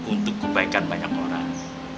untuk kebaikan banyak orang